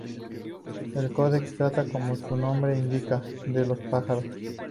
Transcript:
El codex trata, como su nombre indica, de los pájaros.